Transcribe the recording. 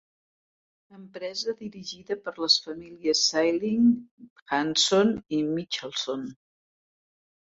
Empresa, dirigida per les famílies Sailing, Hanson i Michelson.